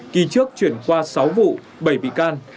kỳ trước chuyển qua sáu vụ bảy bị can